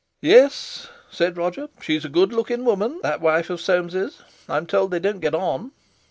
"Yes," said Roger, "she's a good lookin' woman, that wife of Soames'. I'm told they don't get on."